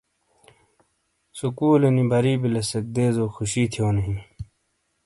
سکولونی بری بیلیسیک دیزو خوشی تھیونو ہی۔